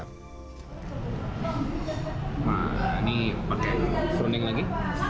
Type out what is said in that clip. nah ini pakai kuning lagi